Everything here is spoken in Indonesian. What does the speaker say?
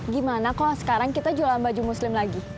gimana kok sekarang kita jualan baju muslim lagi